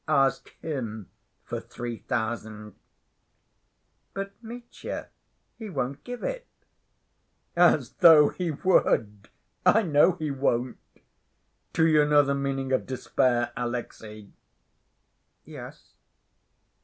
Ask him for three thousand." "But, Mitya, he won't give it." "As though he would! I know he won't. Do you know the meaning of despair, Alexey?" "Yes."